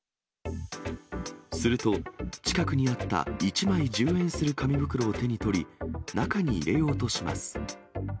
すると、近くにあった１枚１０円する紙袋を手に取り、中に入れようとします。